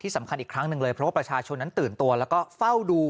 สำคัญอีกครั้งหนึ่งเลยเพราะว่าประชาชนนั้นตื่นตัวแล้วก็เฝ้าดู